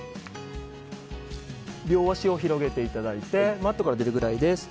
両足を広げていただいてマットから出るくらいです。